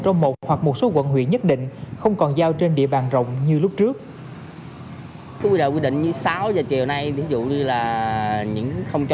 trong một hoặc một số quận huyện nhất định không còn giao trên địa bàn rộng như lúc trước